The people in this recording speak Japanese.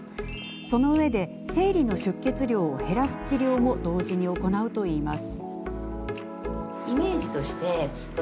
そのうえで生理の出血量を減らす治療も同時に行うといいます。